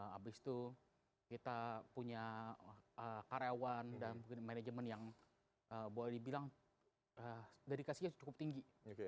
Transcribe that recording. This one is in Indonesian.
habis itu kita punya karyawan dan manajemen yang boleh dibilang dedikasinya cukup tinggi